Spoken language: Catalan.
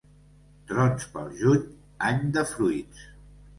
Trons pel juny, any de fruits.